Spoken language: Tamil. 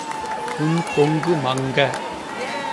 உன் பொங்கு மங்க.